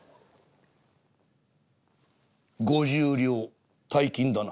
「五十両大金だな。